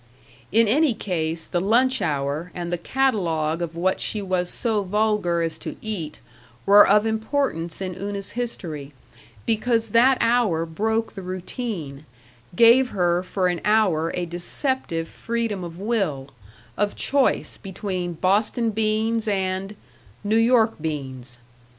In any case, the lunch hour and the catalogue of what she was so vulgar as to eat were of importance in Una's history, because that hour broke the routine, gave her for an hour a deceptive freedom of will, of choice between Boston beans and New York beans.